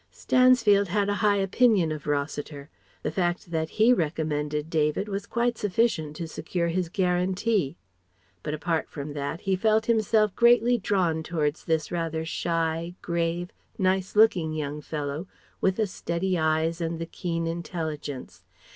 Stansfield had a high opinion of Rossiter. The fact that he recommended David was quite sufficient to secure his "guarantee." But apart from that, he felt himself greatly drawn towards this rather shy, grave, nice looking young fellow with the steady eyes and the keen intelligence.